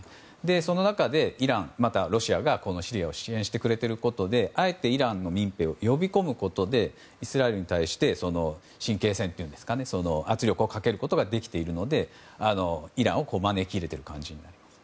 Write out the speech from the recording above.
その中でイラン、ロシアがシリアを支援してくれていることであえてイランの民兵を呼び込むことでイスラエルに対して神経戦というか圧力をかけることができているのでイランを招き入れている感じになります。